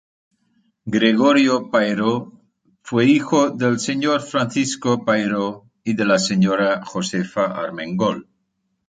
Gregorio Payró, fue hijo del señor Francisco Payró y de la señora Josefa Armengol.